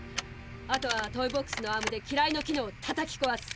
あとはトイボックスのアームで機雷の機能をたたきこわす。